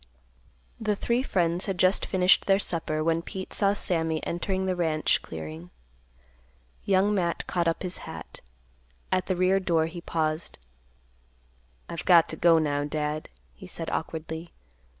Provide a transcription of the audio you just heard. The three friends had just finished their supper when Pete saw Sammy entering the ranch clearing. Young Matt caught up his hat. At the rear door he paused. "I've got to go now, Dad," he said awkwardly.